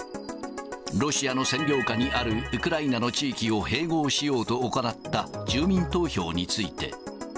ロシアの占領下にあるウクライナの地域を併合しようと行った住民投票について。